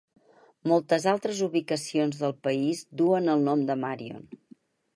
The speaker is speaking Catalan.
Moltes altres ubicacions del país duen el nom de Marion.